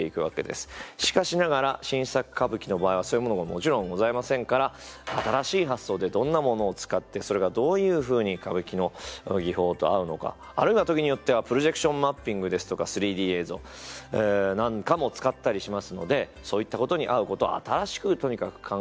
しかしながら新作歌舞伎の場合はそういうものがもちろんございませんから新しい発想でどんなものを使ってそれがどういうふうに歌舞伎の技法と合うのかあるいは時によってはプロジェクションマッピングですとか３Ｄ映像なんかも使ったりしますのでそういったことに合うことを新しくとにかく考えて。